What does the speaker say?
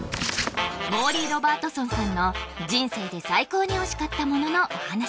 モーリー・ロバートソンさんの人生で最高においしかったもののお話